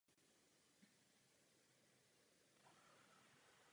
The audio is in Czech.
Proces by pak měl pokračovat dál, ale jak?